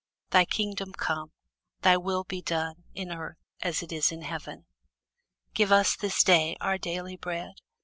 Thy kingdom come. Thy will be done in earth, as it is in heaven. Give us this day our daily bread.